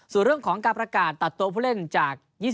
ส่วนเรื่องของการประกาศตัดตัวผู้เล่นจาก๒๐